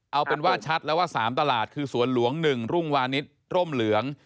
เอาเป็นว่าชัดแล้วว่า๓ตลาดคือสวนหลวง๑รุ่งวานิสร่มเหลือง